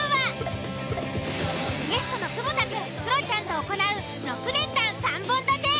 ゲストの久保田くんクロちゃんと行う６連単３本立て。